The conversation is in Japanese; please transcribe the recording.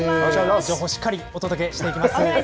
情報をしっかりお届けしていきます。